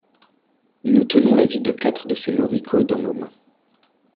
Nous tenons la vie de quatre de ces moricauds dans nos mains.